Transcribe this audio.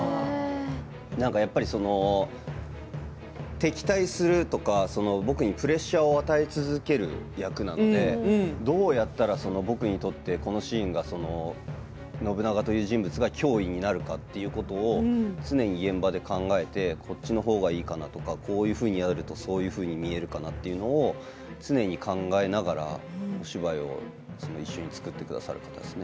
やっぱり敵対するとか僕にプレッシャーを与え続ける役なのでどうやったら僕にとってこのシーンが信長という人物が脅威になるかということを常に現場で考えてこちらの方がいいかなとかこういうふうにやるとこんなふうに見えるかなということを常に考えながら芝居を一緒に作ってくださる方ですね。